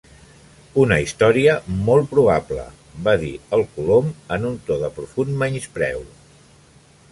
"Una història molt probable!" va dir el Colom en un to de profund menyspreu.